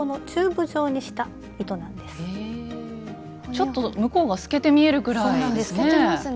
ちょっと向こうが透けて見えるぐらいですね。